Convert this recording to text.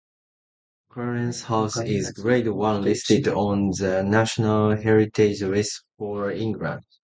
Clarence House is Grade One listed on the National Heritage List for England.